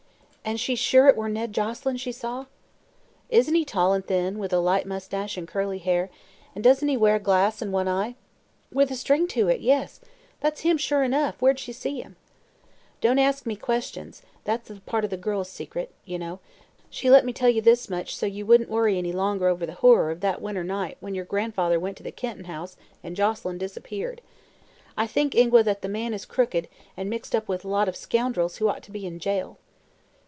"And she's sure it were Ned Joselyn she saw?" "Isn't he tall and thin, with a light moustache and curly hair, and doesn't he wear a glass in one eye?" "With a string to it; yes! That's him, sure enough. Where'd she see him?" "Don't ask me questions. It's a part of the girl's secret, you know. She let me tell you this much, so that you wouldn't worry any longer over the horror of that winter night when your grandfather went to the Kenton house and Joselyn disappeared. I think, Ingua, that the man is crooked, and mixed up with a lot of scoundrels who ought to be in jail."